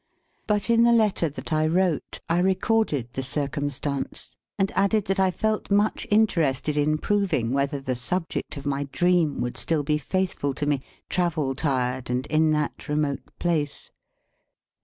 But in the letter that I wrote I recorded the circumstance, and added that I felt much interested in proving whether the subject of my dream would still be faithful to me, travel tired, and in that remote place.